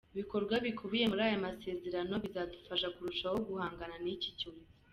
Ibikorwa bikubiye muri aya masezerano bizadufasha kurushaho guhangana n’iki cyorezo.